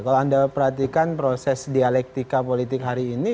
kalau anda perhatikan proses dialektika politik hari ini